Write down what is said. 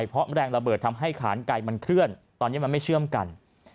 เพราะแรงระเบิดทำให้ขานไกลมันเคลื่อนตอนนี้มันไม่เชื่อมกัน